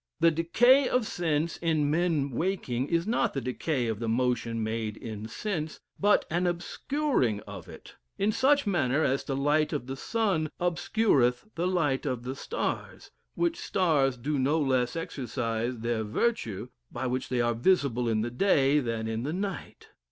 The decay of sense in men waking, is not the decay of the motion made in sense, but an obscuring of it, in such manner as the light of the sun obscureth the light of the stars; which stars do no less exercise their virtue, by which they are visible in the day, than in the night.